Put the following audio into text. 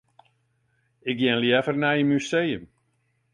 Ik gean leaver nei in museum.